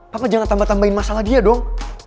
papa jangan tambah tambahin masalah dia dong